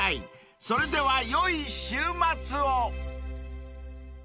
［それではよい週末を］